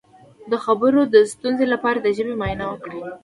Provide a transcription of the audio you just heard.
د خبرو د ستونزې لپاره د ژبې معاینه وکړئ